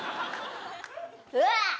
うわっ！